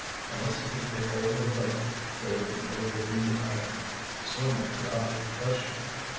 Unless he could get hold of a boat, there would be no leaving the island. Swimming was out of the question.